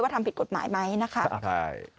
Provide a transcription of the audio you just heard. ทำผิดกฎหมายไหมนะคะ